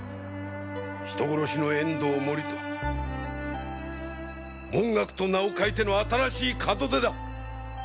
人殺しの遠藤盛遠文覚と名を変えての新しい門出だ！